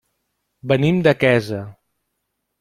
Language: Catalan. Venim de Quesa.